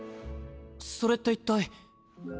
それって一体。